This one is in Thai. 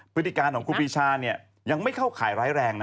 พฤติการของครูปีชายังไม่เข้าข่ายร้ายแรงนะ